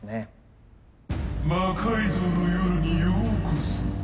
「魔改造の夜」にようこそ。